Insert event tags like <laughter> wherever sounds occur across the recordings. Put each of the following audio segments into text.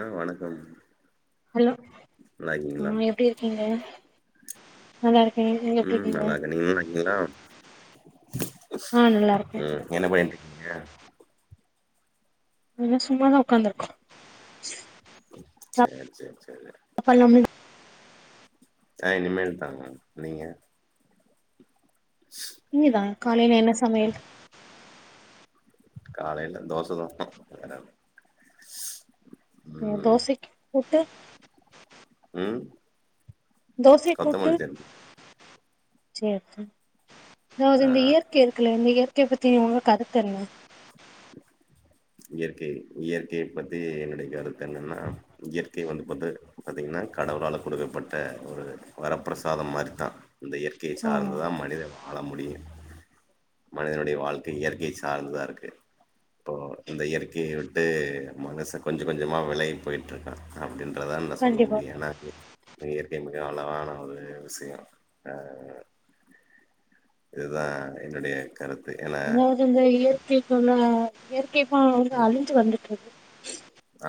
ஆ வணக்கம் ஹலோ நல்லா இருக்கீங்களா ம் எப்படி இருக்கீங்க நல்லா இருக்கே நீங்க எப்டி ம் இருக்கீங்க நல்லா இருக்க நீங்க நல்லா இருக்கீங்களா ஆ நல்லா இருக்கே ம் என்ன பன்னிட்டு இருக்கீங்க என்ன சும்மாதா ஒக்காந்துருக்கோ ம் சேர் சேர் சேரி <unintelligible> ஆ இனிமேல் தாங்க நீங்க இங்க தா காலைல என்ன சமையல் காலையில தோச தா ஊத்ணு <unintelligible> சேர் தோசைக்கு கூட்டு ம் தோசை கூட்டு கொத்தமல்லி சட்னி சேர் சே அதாவது ஆ இந்த இயற்கை இருக்குல்ல இந்த இயற்கைய பத்தி உங்க கருத்து என்ன இயற்கை இயற்கைய பத்தி என்னுடைய கருத்து என்னன்னா இயற்கை வந்து பத்து பாத்திங்கன்னா கடவுளால கொடுக்கப்பட்ட ஒரு வரப்பிரசாதம் மாரி தா இந்த இயற்கைய ஆமா சார்ந்துதா மனித வாழ முடியு மனிதனுடைய வாழ்க்கை இயற்கைய சார்ந்துதா இருக்கு இப்போ இந்த இயற்கைய விட்டு மனச கொஞ்ச கொஞ்சமா வெளகி போய் ட்ருக்கா அப்டின்றதான் நா சொல்ல கண்டிப்பா முடியு ஏன்னா இயற்க்கை மிக அழகான ஒரு விஷயோ அ இதுதா என்னுடைய கருத்து ஏன்னா அதாவது இந்த இயற்க்கைகுள்ள இயற்கைக்கு வந்து அழிஞ்சு வந்துட்ருக்கு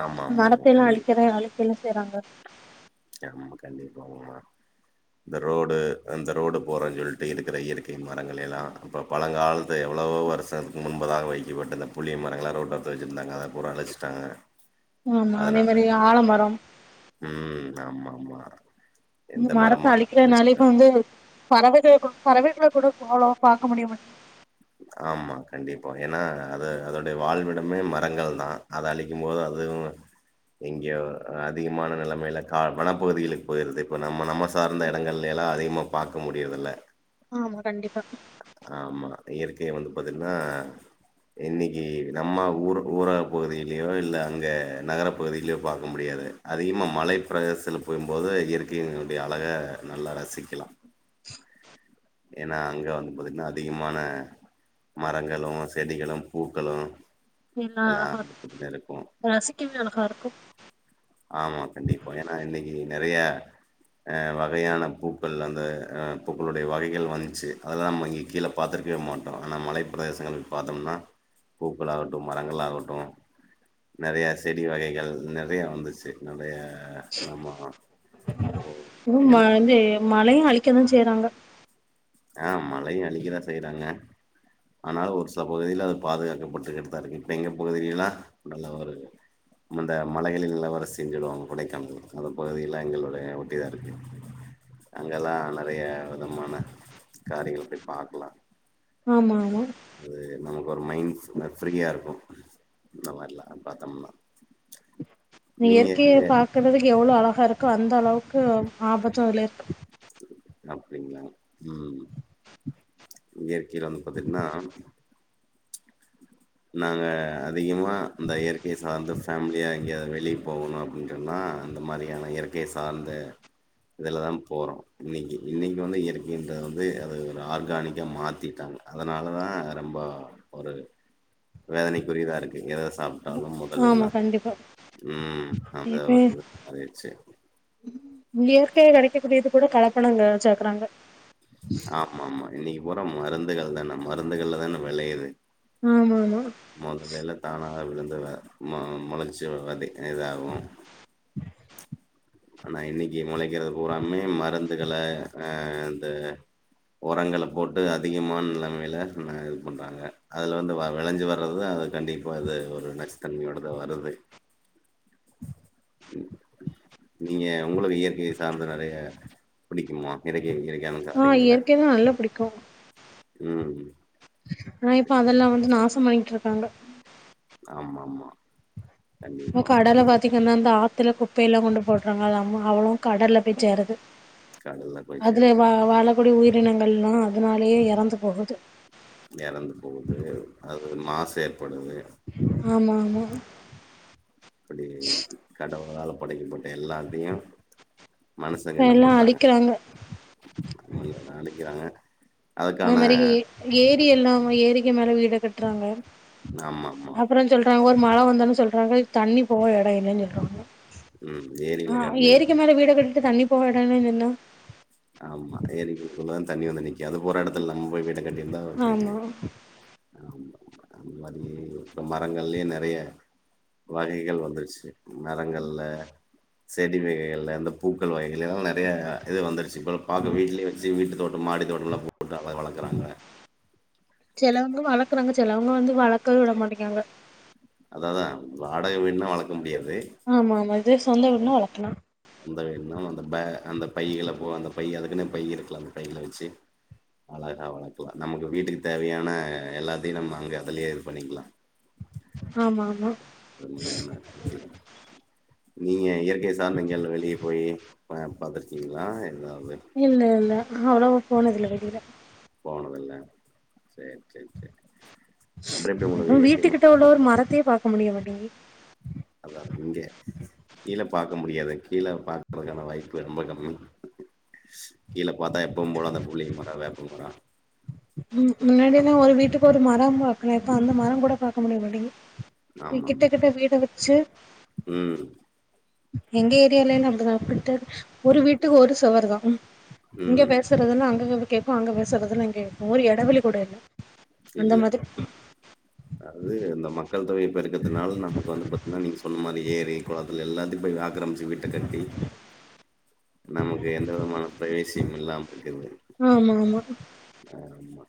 ஆமா ஆமா மரத்த எல்லா அழிக்கிற கண்டிப்பா அழிக்கல்லா செய்றாங்க ஆமா கண்டிப்பாங்மா இந்த ரோடு அந்த ரோடு போறான் சொல்ட்டு இருக்கற இயற்கை மரங்களை எல்லா அப்ப பழங்கால்த்து எவ்ளவோ வருஷத்து முன்பதாக வைக்கப்பட்டது புளிய மரங்கள ரோட்டோரத்த வெச்சிருந்தாங்க அத பூறா அழச்சு ட்டாங்க ஆமா அதே அதனாலா மாரி இப்ப ஆலமரம் ம் ஆமா ஆமா மு மரத்த அழிக்கறனால இப்ப வந்து பறவைகள் கூ பறவைகள கூட <unintelligible> பாக்க முடிய மாட்டி ஆமா கண்டிப்பா ஏன்னா அது அதொடைய வாழ்விடமே மரங்கள் தா அத அழிக்கும் போது அதுவு எங்கியோ அதிகமான நலைமையில கா வனப்பகுதிகளுக்கு போயிருது இப்ப நம்ம நம்ம சார்ந்த எடங்கள்லீலா அதிகமா பாக்க முடியரதுல்ல ஆமா கண்டிப்பா ஆமா இயற்கைய வந்து பாத்தின்னா இன்னிக்கு நம்ம ஊர் ஊரக பகுதியிலியோ இல்ல அங்க நகர பகுதியிலோ பாக்க முடியாதுங்க அதிகமா மலை பிரதேசத்துல போம்போது இயற்கையினுடைய அழக நல்லா ரசிக்கலா ஏன்னா அங்க வந்து பாத்திங்கன்னா அதிகமான மரங்களு செடிகளு பூக்களு எல்லா அழகா பாத்தீங்கன்னா இருக்கு இரு ரசிக்கவே அழகா இருக்கு ஆமா கண்டிப்பா ஏன்னா இன்னிக்கி நெறையா அ வகையான பூக்கள் அந்த அ பூக்களுடைய வகைகள் வந்ச்சு அதல்லா நம்ம இங்க கீழ பாத்துருக்கவே மாட்டோ அனா மலைப் பிரதேசங்களுக்கு பாத்தம்ன்னா பூக்களாகட்டு மரங்களாகட்டு நெறையா செடி வகைகள் நெறையா வந்து சே நெறைய நம்மோ ஒ ஏனா மலையு அழிக்கதா செய்றாங்க ஆ மலைய அழிக்கதா செய்றாங்க ஆனாலு ஒரு சில பகுதியில அது பாதுகாக்கப்பட்டுக்கிட்டுதா இருக்கு இப்ப எங்க பகுதில எல்லா நல்லாவதா இருக்கு அந்த மலைகளின் இளவரசின் சொல்லுவாங்க கொடைக்கானல் அந்த பகுதிகல்லா எங்களுடைய ஒட்டிதா இருக்கு அங்கெல்லா நெறைய விதமான காரியங்கள போய் பாக்கலா ஆமா ஆமா அது நமக்கு ஒரு மைண் ஃப்ரீயா இருக்கு இந்த மார்லா பாத்தம்னா இந்த இயற்கிய பாக்குறதுக்கு எவ்வளோ அழகா இருக்கு அந்த அளவுக்கு ஆபத்து இத்ல இருக்கு அப்டிங்ளா ம் இயற்கையில வந்து பாத்தீட்ன்னா நாங்க அதிகமா இந்த இயற்கிய சார்ந்த ஃபேம்லியா இ ங்க எதாது வெளிய போகணு அப்டின்றன்னா அந்த மாரியான இயற்கிய சார்ந்த இதுலதா போறோ இன்னிக்கி இன்னிக்கி வந்து இயற்கைன்றது வந்து அது ஒரு ஆர்கானிக்கா மாத்திட்டாங்க அதனால தா ரொம்போ ஒரு வேதனைக்குரியத இருக்கு எதெத சாப் ட்டாலு ஆமா மொதலெல்ல கண்டிப்பா ம் அந்த <unintelligible> அது சே இயற்கியா கெடைக்க கூடியது கூட கலப்படங்க சேக்குறாங்க ஆமா ஆமா இன்னிக்கு பூறா மருந்துகள் தான மருந்துகள்லதான வெளயிது ஆமா ஆமா மொதலயெல்லா தானா விழுந்து அத ம மொளச்சு வந்து இதாகு ஆனா இன்னிக்கூ முளைக்கிறது பூறாமே மருந்துகள அ அந்த ஒரங்கள போட்டு அதிகமான நிலைமையில ந இது பண்றாங்க அதுல வந்து வவிளஞ்சி வர்றதா அது கண்டிப்பா இது ஒரு நச்சுத்தன்மையோடதா வருது நீங்க உங்களுக்கு இயற்கிய சார்ந்த நெறைய பிடிக்குமா நிறகிய இயற்கையான காரியங்கள தோ ம் ஆனா இப்ப சரி. அதெல்லா வந்து நாசம் பண்க்கிட்ருக்காங்க ஆமா ஆமா இப்ப கண்டிப்பா கடல இந்த பாத்தீங்கன்னா அந்த ஆத்துல குப்பையெல்லா கொண்டு போட்றாங்க அது அம்மா அவ்வளோவு கடல்ல போய் சேருது கடல்ல போய் அதுல சேருது வா வாழக்கூடிய உயிரினங்கள்லா அதனாலேயே எறந்து போகுது எறந்து போகுது அது மாசு ஏற்படுது ஆமா ஆமா அப்படி கடவுளால படைக்கப்பட்ட எல்லாத்தியு மனுசங்க என்ன எல்லா பண்றாங்க அழிக்கிறாங்க <unintelligible> அத அழிக்கிறாங்க அது மாரி ஏ ஏரியெல்லா ஏரிக்கு மேல வீடு கட்றாங்க ஆமா ஆமா சொல்றாங்க ஒரு மழ வந்தாலு சொல்றாங்க தண்ணி போவ எடோ இல்லன் சொல்றாங்க ம் ஆ ஏரியில கட்னா ஏரிக்கு ஏரி மேல வீடு கட்டிட்டு தண்ணி போக எடோ இல்லன் சொன்னா ஆமா ஏரிக்குள்ளதா தண்ணி வந்து நிக் கு அது போற எடத்துல நம் போய் வீடு கட்டிந்தா <unintelligible> ஆமா ஆமா அந்த மாரி இப்ப மரங்கள்லே நெறைய வகைகள் வந்துருச்சு மரங்கள்ல செடி வகைகள்ல இந்த பூக்கள் வகைகள் எல்லா நெறைய இது வந்துருச்சு இப்போ பாக்க வீட்லியே வெச்சு வீட்டுத்தோட்டோ மாடி தோட்டலா போட்டு அ <unintelligible> வளக்குறாங்க சிலவங்க வளர்க்குறாங்க சிலவங்க வந்து வளர்க்கவே விட மாட்டேங்ராங்க அதா தா வாடக வீடுனா வளர்க்க முடியாது ஆமா ஆமா இது சொந்த வீடுனா வளர்க்கலா அந்த இன்னு அந்த ப அந்த பையகள போக அந்த பை அதுக்குன்னே பை இருக்கல அந்த பையில வச்சு அழகா வளக்கலா நமக்கு வீட்டுக்கு தேவையான எல்லாத்தையு நம்ம அங்கே அதுலயே இது பண்ணிக்கலா ஆமா ஆமா உண்மையான விசயம் நீங்க இயற்கை சார்ந்தங்கில்ல வெளியே போயி வரன்பாரத்துருக்கிங்களா எதாவுது இல்லல்ல அவ்ளோ போனதில்ல வெளில போனதில்ல சேரி சேர் சேர் ம் வீட்டுக்கிட்ட உள்ள ஒரு மரத்தையே பாக்க முடியமாட்டேங்கி அதா இங்கயா கீழ பாக்க முடியாது கீழ பாக்கறதுக்கான வாய்ப்பு ரொம்ப கம்மி கீழ பாத்தா எப்பவு போலதா புளியமரோ வேப்பமரோ ம் முன்னாடினா ஒரு வீட்டுக்கு ஒரு மரம் பாக்கலா இப்ப அந்த மரங்கூட பாக்க முடிய மாட்டேங் ஆமா ம் எங்க ஏரியாலேல்லா அப்டிதா அங்குட்டு ஒரு வீட்டுக்கு ஒரு சுவர் தா இங்க ம் பேசுறதுலா அங்க கேக் கேக்கு அங்க பேசுறதுலா இங்க கேக்கு ஒரு எடவெளி கூட இல்ல அந்த இல்ல மாதிரி அது இந்த மக்கள் தொகை பெருக்கத்துனால நமக்கு வந்து பாத் திங்னா நீங்க சொன்ன மாரியே ஏரி கொளத்துல எல்லாத்தையு போய் ஆக்கிரமிச்சி வீட்ட கட்டி நமக்கு எந்த விதமான ப்ரைவேசியு இல்லாமருக்குது ஆமாமா வேறன்னா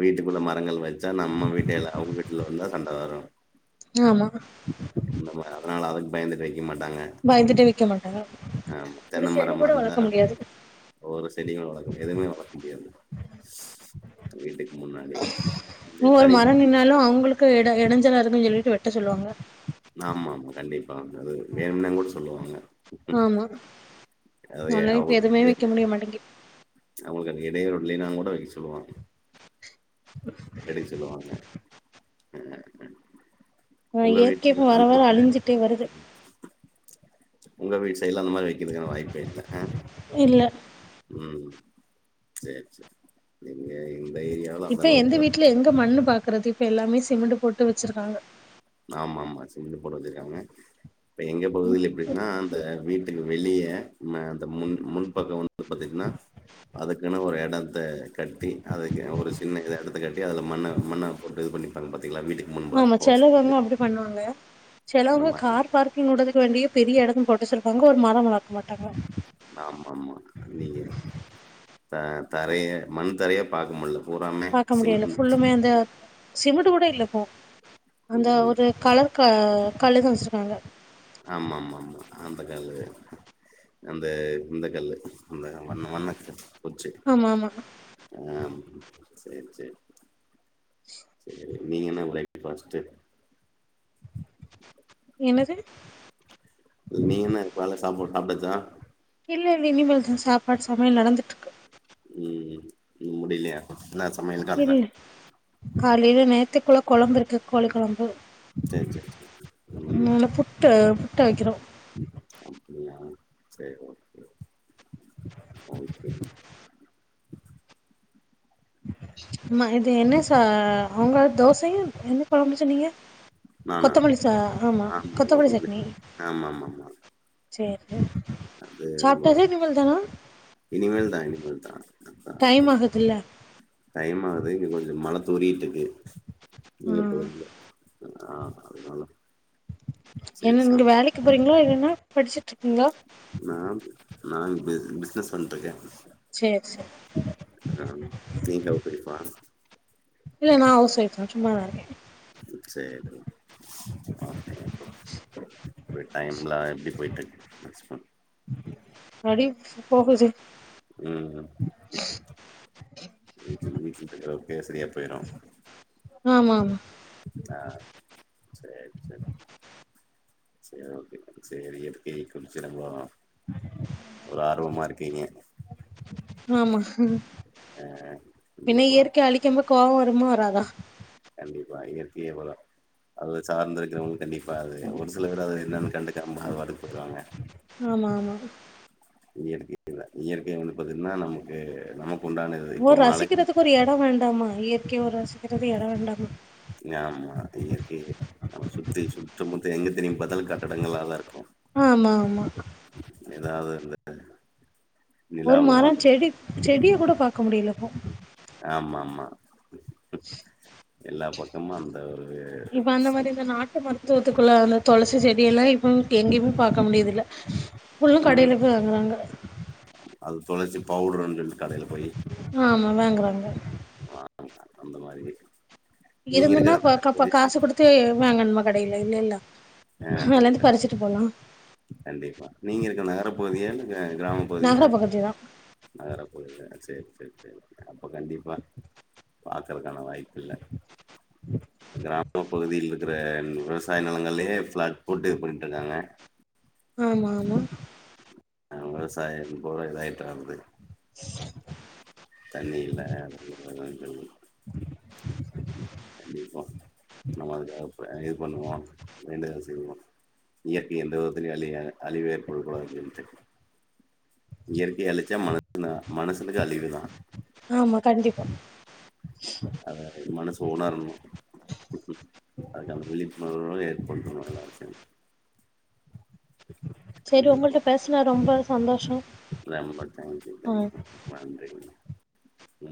வீட்டுக்குள்ள மரங்கள் வச்சா நம்ம வீட்ட ல அவுங்க வீட்டுலருந்தா சண்ட வரு ஆமா அந்தமார் அதனால அதுக்கு பயந்துட்டு வைக்க மாட்டாங்க பயந்துட்டே விக்க மாட்டாங்க ஆமா ஒரு தென்ன செடி மரமா கூட இருந்தா வளக்க முடியாது ஒரு செடிகூட வளக்க முடியாது எதுமே வளக்க முடியாது வீட்டுக்கு முன்னாடி இதேதா ஒரு மரம் நின்னாலு அவுங்குளுக் கு எட எடஞ்சாலுருக்குனு சொல்லிட்டு வெட்ட சொல்லுவாங்க நாமாமா கண்டிப்பா அந்த இது வேணும்னேங்கூட சொல்லுவாங்க ஆமா அது நல்லவே இப்ப எதுமே வெக்க முடிய மாட்டேங்கி அவுங்குளுக்கு அந்த இடையூறு இல்லேனாங்கூட வக்க சொல்லுவாங்க இ சொல்லுவாங்க ம் ம் ஒங்க இயற்கை வீட்ல இப்ப வர அந்த வர மாரி <inaudible> அழிஞ்சிட்டே வருது ஒங்க வீட் சைட்ல அந்த மாரி வைக்கிறதுக்கான வாய்ப்பே இல்ல அ இல்ல ம் சேரி சேர் எங்க இந்த ஏரியால இப்ப எந்த அந்தளவுக்கா வீட்ல எங்க மண்ணு பாக்குறது இப்ப எல்லாமே சிமெண்டு போட்டு வச்சிருக்காங்க ஆமாமா சிமெண்டு போட்டு வச்சிருக்காங்க இப்ப எங்க பகுதில எப்டி னா அந்த வீட்டுக்கு வெளியே ம அந்த முன் முன்பக்கம் வந்து பாத்தீங்ன்னா அதுக்குன்னு ஒரு எடத்த கட்டி அதுக்கு ஒரு சின்ன இத எடத்த கட்டி அதுல மண்ண மண்ண போட்டு இது பண்ணிப்பாங்க பத்தீங்களா வீட்டுக் முன்பாக போச் இப்பென்ன அப்டி பண்ணுவாங்க செலவுக மாரி கார் பார்க் கிங் உடதுக்கு வேண்டியே பெரிய எடமு போட்டு வெச்சுருப்பாங்க ஒரு மரோ வளக்க மாட்டாங்க ஆமாமா நீங்க த தரையே மண் தரையே பாக்கமுல்ல பாக்க முடியல ஃபுல்லுமே அந்த சிமெண்டு கூட இல்லக்கா அந்த ம் ஒரு கலர் க கல்லுதா வெச்சிருக்காங்க ஆமாமாமா அந்த கல்லு அந்த இந்த கல்லு அந்த வண்ண வண்ணக்கல் கொச்சு ஆமா ஆமா ஆம் சேர் சேர் சேரி நீங்க என்ன <inaudible> ஃபாஸ்ட்டு என்னது நீங்கென்ன கால்ல சாப்பாடு சாப்ட்டாச்சா இல்லல்ல இனிமேதா சாப்பாடு சமையல் நடந்துட்ருக்கு ம் இன்னு முடியிலையா என்னா சமையல் காலைல காலில நேரத்திக்குள்ள கொழம்பு இருக்கு கோழி கொழம்பு சேரி சேரி சேரி ம் மூணு புட்டு புட்ட வைக்கிறோ அப்டியா செரி ஓகே <unintelligible> ஆமா இது என்ன ச அவுங்க தோசையு என்ன கொழம்பு சொன்னீங்க நானா கொத்தமல்லி ச ஆமா கொத்தமல்லி சட்னி ஆமா ஆமா ஆமா சேரி சாப்டாச்சா இனிமேல் தானா இனிமேல்தா இனிமேல்தா டைம் ஆகுதுல்ல <inaudible> டைம் ஆகுது இங்க கொஞ்ச மழ தூறிட்ருக்கு நீங்க ம் <unintelligible> ஆ அதனால சேரி என்ன சா நீங்க வேலைக்கு போறீங்ளா இல்னா படிச்சுட்ருக்கீங்ளா நா நா பிஸ் பிஸ்னஸ் பண்ட்ருக்கே சேர் சேர் ஆ தீங் அவர் வெரி ஃபாஸ்ட் இல்ல நா அவுஸ் ஒய்ஃப்தா சும்மாத்தா இருக்கே ம் சேரிமா ஓகே ஓகே அப்ற டைம்லா எப்டி போய்ட்ருக்கு உங்க ஹஸ்பண்ட் அப்டியே போகுது ம் வீட்டுலு வீட்ல <unintelligible> செரியா போயிடு ஆமாமா ஆ சேர் சேர் சேர் ஓகே சேரி இயற்கைய <unintelligible> ஒரு ஆர்வமா இருக்கீங்க ஆமா ஆ பின்ன கண்டிப்பா இயற்கை அழி க்கம்போ கோவ வருமா வராதா கண்டிப்பா இயற்கைய இவ்ளா அதுல சார்ந்து இருக்கிறவங்களுக்கு கண்டிப்பாக அது ஒரு சில பேர் அது என்னென்னு கண்டுக்காம அவுங்பாட்டுக்கு போயிருவாங்க ஆமா ஆமா இயற்கை <inaudible> இயற்கைய வந்து பாத்தீங்ன்னா நமக்கு நமக்கு உண்டானது ஒரு இப்ப மழை ரசிக்கிறதுக்கு ஒரு எட வேண்டாமா இயற்கைய ஒரு ரசிக்கிறது எட வேண்டாமா ஆமா இயற்க்கைவ நாம சுத்தி சுத்தமுத்தி எங்க திரும்பி பாத்தாலு கட்டடங்களாலதா இருக்கு ஆமா ஆமா ஏனா அது வந்து ஒரு மரரோ செடி செடிய கூட பாக்க முடியல இப்போ ஆமா ஆமா எல்லா பக்கமு அந்த ஒரு ட்டு மருத்துவத்துக்குள்ள அந்த தொளசி செடி எல்லா இப்ப எங்கயுமே பாக்க முடியர்துல்ல புள்ளு ம் கடையில போய் வாங்கறாங்க அது தொளசி பவுடரு சொல்ட்டு கடைல போய் ஆமா வாங்கறாங்க வாங்க அந்த மாரி விட் இருந்துன்னாப்பப்க்கப்ப காசு குடுத்து வாங்கணுமா கடையில இல்லல்ல ஆ ஹ அதுல இல்ல இருந்து இல்ல பறிச்சுட்டு போலா கண்டிப்பா நீங்க இருக்க நகரப்பகுதியா இல்ல இல்ல கிராம பகுதிய நகர பகுதி தா நகரப்பகுதிய சேரி சேரி சேரி அப்ப கண்டிப்பா பாக்கறக்கான வாய்ப்பு இல்ல ம் கிராம பகுதியில் இருக்கற விவசாய நெலங்கள்லயே ஃப்ளாட் போட்டு இது பண்ட்டு இருக்காங்க ஆமா ஆமா அ விவசாயம் பூரா இதாயிட்டு வந்து தண்ணி இல்ல <unintelligible> கண்டிப்பா நம்ம அதுக்காக இப்ப எது பண்ணுவோ வேண்டுதல் செய்வோ இயற்கை எந்த விதத்திலயு அலிய அழிவேற்பட கூடாது சொல்ட்டு இயற்கைய அழிச்சா ம மனுசனுக்கு அழிவுதா ஆமா கண்டிப்பா அதை மனசு உணரனு அதுக்கான விழிப்புணர்வு ஏற்படுத்தணு எல்லாருக்கு சரி கண்டிப்பா உங்கள்ட்ட பேசுன ரொம்ப சந்தோஷோ ரொம்ப தேங்க் யூ ஆ தேங்க் யூ நன்றிங்க ம்